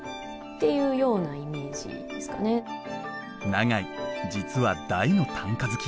永井実は大の短歌好き。